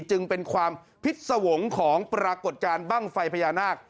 จึงเป็นความพิษสวงศ์ของปรากฏการณ์บ้างไฟพญานาค